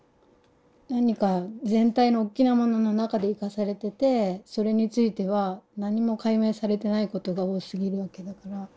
何か全体のおっきなものの中で生かされててそれについては何も解明されてないことが多すぎるわけだから。